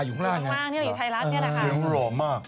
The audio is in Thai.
อยู่ข้างล่างเนี่ยไทรลักษณ์เนี่ยแหละค่ะ